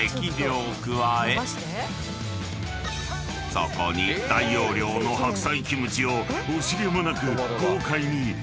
［そこに大容量の白菜キムチを惜しげもなく豪快に投入］